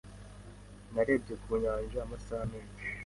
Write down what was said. Narebye ku nyanja amasaha menshi.